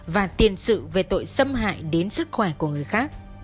và tiền sự về tội xâm hại đến sức khỏe của người khác